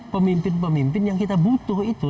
pemimpin pemimpin yang kita butuh itu